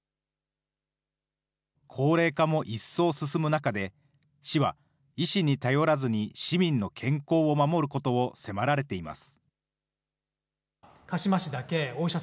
高齢化も一層進む中で、市は医師に頼らずに市民の健康を守ることを迫られています。